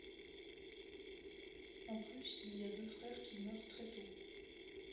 En plus, il y a deux frères qui meurent très tôt.